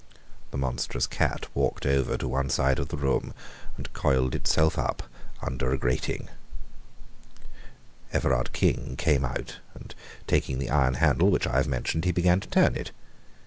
The monstrous cat walked over to one side of the room and coiled itself up under a grating. Everard King came out, and taking the iron handle which I have mentioned, he began to turn it.